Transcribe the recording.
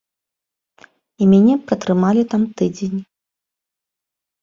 І мяне пратрымалі там тыдзень.